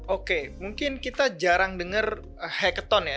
oke mungkin kita jarang denger hackathon ya